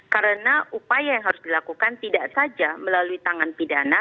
karena upaya yang harus dilakukan tidak saja melalui tangan pidana